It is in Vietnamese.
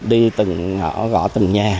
đi từng ngõ gõ từng nhà